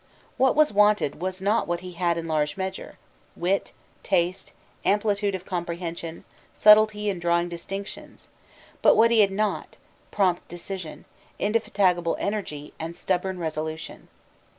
What was wanted was not what he had in large measure, wit, taste, amplitude of comprehension, subtlety in drawing distinctions; but what he had not, prompt decision, indefatigable energy, and stubborn resolution.